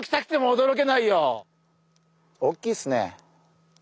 大きいっすね。